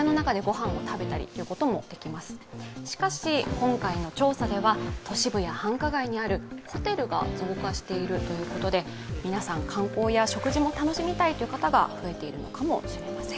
今回の調査では都市部や繁華街にあるホテルが増加しているということで皆さん、観光も食事も楽しみたいという方が増えているのかもしれません。